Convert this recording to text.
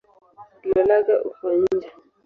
Lolaga uko nje.